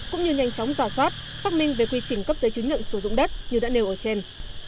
cũng như nhanh chóng giả soát xác minh về quy trình cấp giấy chứng nhận sử dụng đất như đã nêu ở trên